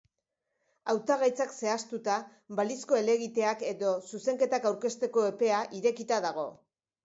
Hautagaitzak zehaztuta, balizko helegiteak edo zuzenketak aurkezteko epea irekita dago.